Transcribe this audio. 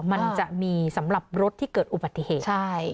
มันจะมีสำหรับรถที่เกิดอุบัติเหตุ